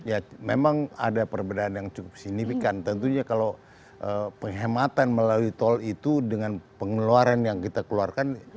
ya memang ada perbedaan yang cukup signifikan tentunya kalau penghematan melalui tol itu dengan pengeluaran yang kita keluarkan